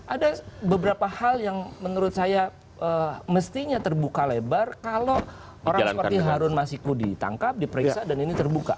ada beberapa hal yang menurut saya mestinya terbuka lebar kalau orang seperti harun masiku ditangkap diperiksa dan ini terbuka